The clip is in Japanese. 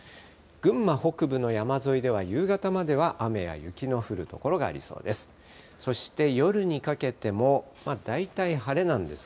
群馬北部の山沿いでは、夕方までは雨や雪の降る所がありそうです。